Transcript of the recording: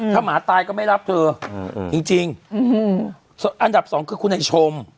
ถ้าหมาตายก็ไม่รับเธอจริงอันดับสองคือคุณไอ้ชม